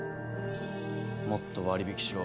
もっと割引しろ。